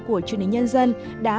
của truyền hình nhân dân đã